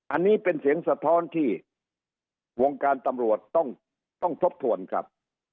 อันนี้เป็นเสียงสะท้อนที่วงการตำรวจต้องทบทวนครับ